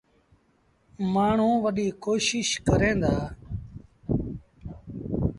مآڻهوٚݩ وڏيٚ ڪوشيٚش ڪريݩ دآ۔